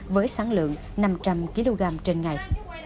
với sản lượng năm trăm linh kg trên ngày